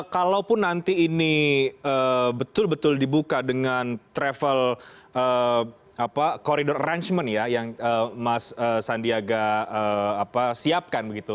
kalaupun nanti ini betul betul dibuka dengan travel corridor arrangement ya yang mas sandiaga siapkan begitu